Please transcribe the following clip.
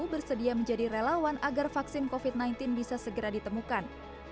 bersedia menjadi relawan agar vaksin covid sembilan belas bisa segera ditemukan